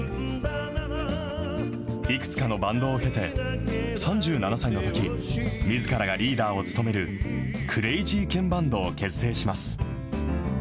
いくつかのバンドを経て、３７歳のとき、みずからがリーダーを務めるクレイジーケンバンドを結成します。